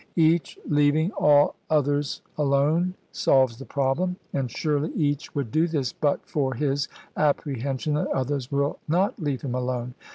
Each leaving all others alone solves the problem ; and surely each would do this but for his apprehension that others wiU not leave him alone.